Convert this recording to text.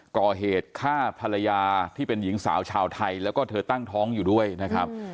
ก่อเหตุฆ่าภรรยาที่เป็นหญิงสาวชาวไทยแล้วก็เธอตั้งท้องอยู่ด้วยนะครับ